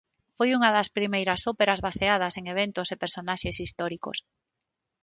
Foi unha das primeiras óperas baseadas en eventos e personaxes históricos.